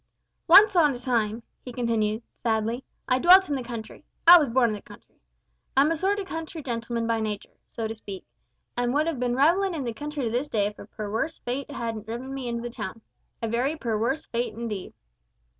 "Once on a time," he continued, sadly, "I dwelt in the country. I was born in the country. I'm a sort o' country gentleman by nature, so to speak, and would have bin revellin' in the country to this day if a perwerse fate hadn't driven me into the town a very perwerse fate indeed."